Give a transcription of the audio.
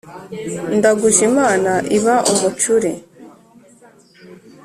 Ndaguje imana iba umucuri!